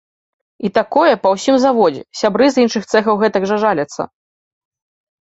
І такое па ўсім заводзе, сябры з іншых цэхаў гэтак жа жаляцца.